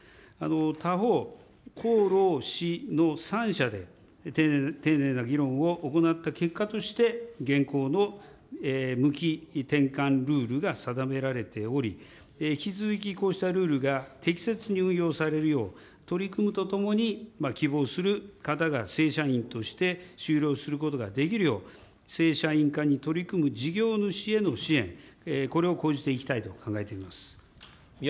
他方、公労使の３者で丁寧な議論を行った結果として、現行の無期転換ルールが定められており、引き続き、こうしたルールが適切に運用されるよう、取り組むとともに、希望する方が正社員として就労することができるよう、正社員化に取り組む事業主への支援、これを講じていきたいと考えております。